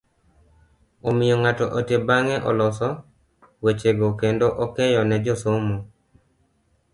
Omiyo ng'ato ote bang'e oloso weche go kendo okeyo ne josomo.